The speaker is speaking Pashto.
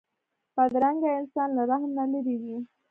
بدرنګه انسان له رحم نه لېرې وي